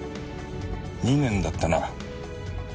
２年だったな。